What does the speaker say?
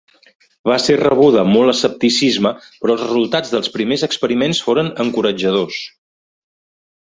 Va ser rebuda amb molt escepticisme però els resultats dels primers experiments foren encoratjadors.